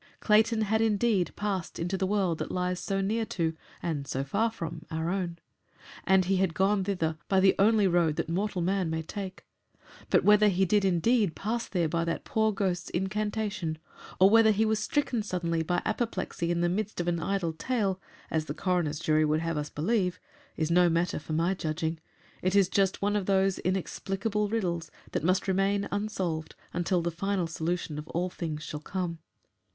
Clayton had, indeed, passed into the world that lies so near to and so far from our own, and he had gone thither by the only road that mortal man may take. But whether he did indeed pass there by that poor ghost's incantation, or whether he was stricken suddenly by apoplexy in the midst of an idle tale as the coroner's jury would have us believe is no matter for my judging; it is just one of those inexplicable riddles that must remain unsolved until the final solution of all things shall come.